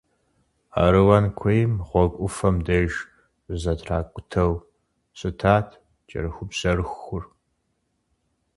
Аруан куейм гъуэгу ӏуфэм деж щызэтракӏутэу щытат кӏэрыхубжьэрыхур.